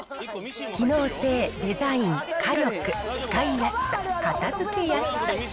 機能性、デザイン、火力、使いやすさ、片づけやすさ。